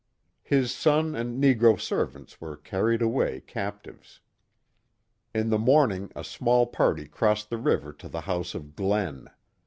His son and negro servant were carried away captives. In the morning a small party crossed the river to the house of Glen.